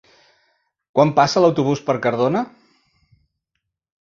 Quan passa l'autobús per Cardona?